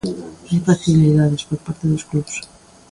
Hai facilidades por parte dos clubs?